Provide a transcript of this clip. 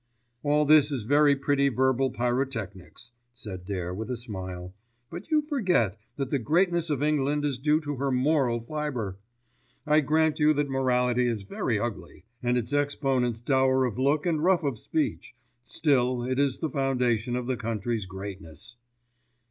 "All this is very pretty verbal pyrotechnics," said Dare with a smile; "but you forget that the greatness of England is due to her moral fibre. I grant you that morality is very ugly, and its exponents dour of look and rough of speech, still it is the foundation of the country's greatness."